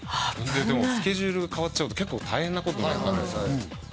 危ないでもスケジュールが変わっちゃうと結構大変なことになっちゃうんですね